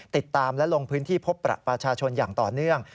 ติดตามและลงพื้นที่พบประชาชนอย่างต่อเนื่อง